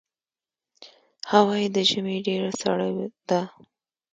هوا یې د ژمي ډېره سړه ده.